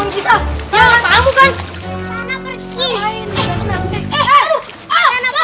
jauh lempar aja